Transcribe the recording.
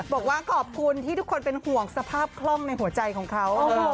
บอกว่าขอบคุณที่ทุกคนเป็นห่วงสภาพคล่องในหัวใจของเขา